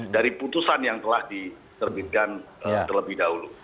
dari putusan yang telah diterbitkan terlebih dahulu